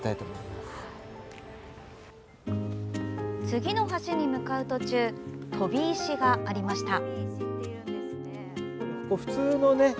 次の橋に向かう途中飛び石がありました。